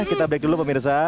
kita break dulu pemirsa